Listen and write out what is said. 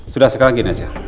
sudah sekarang gini saja